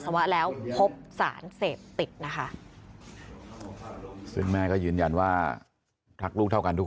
ซึ่งแม่ก็ยืนยันว่าถักลูกเท่ากันทุกคน